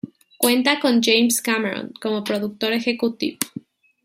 Cuenta con James Cameron como productor ejecutivo.